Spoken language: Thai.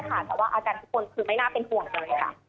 แต่ว่าอาการทุกคนคือไม่น่าเป็นห่วงเลยค่ะ